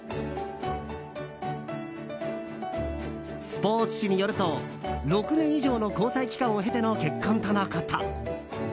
スポーツ紙によると６年以上の交際期間を経ての結婚とのこと。